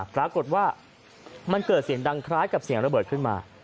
ปรากฏว่ามันเกิดเสียงดังคล้ายกับเสียงระเบิดขึ้นมา